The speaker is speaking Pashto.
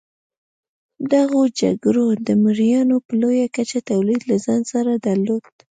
دغو جګړو د مریانو په لویه کچه تولید له ځان سره درلود.